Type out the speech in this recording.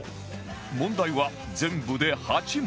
問題は全部で８問